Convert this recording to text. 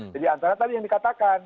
jadi antara tadi yang dikatakan